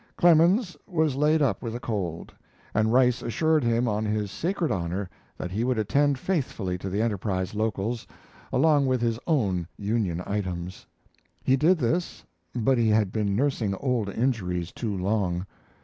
Clemens was laid up with a cold, and Rice assured him on his sacred honor that he would attend faithfully to the Enterprise locals, along with his own Union items. He did this, but he had been nursing old injuries too long.